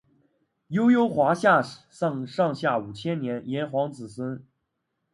悠悠华夏史上下五千年炎黄子孙